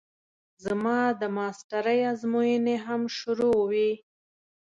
زما د ماسټرۍ ازموينې هم شروع وې.